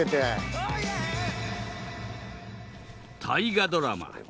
大河ドラマ